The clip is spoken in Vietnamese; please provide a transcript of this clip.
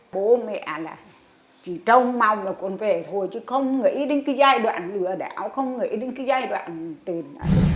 bố mẹ là chỉ trông mong là con về thôi chứ không nghĩ đến cái giai đoạn lừa đáo không nghĩ đến cái giai đoạn tiền